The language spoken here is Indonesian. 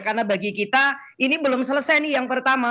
karena bagi kita ini belum selesai nih yang pertama